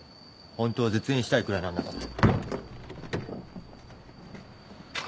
ホントは絶縁したいくらいなんだから。